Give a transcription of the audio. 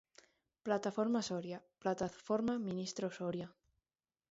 Plataforma Soria, plataforma ministro Soria.